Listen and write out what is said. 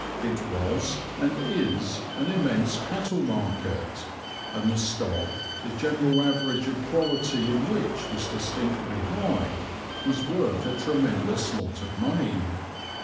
It was, and is, an immense cattle market; and the stock, the general average of quality in which was distinctly high, was worth a tremendous lot of money.